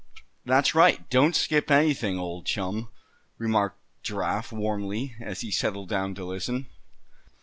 "That's right, don't skip anything, old chum," remarked Giraffe, warmly, as he settled down to listen.